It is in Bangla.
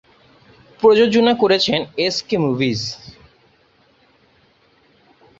প্রযোজনা করেছেন এসকে মুভিজ।